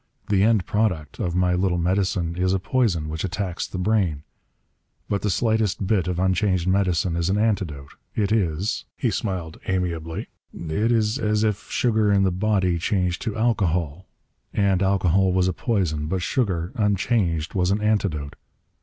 The end product of my little medicine is a poison which attacks the brain. But the slightest bit of unchanged medicine is an antidote. It is" he smiled amiably "it is as if sugar in the body changed to alcohol, and alcohol was a poison, but sugar unchanged was an antidote.